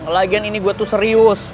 lagian ini buat tuh serius